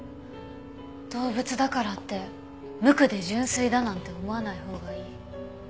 動物だからって無垢で純粋だなんて思わないほうがいい。